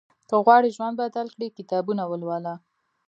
که غواړې ژوند بدل کړې، کتابونه ولوله.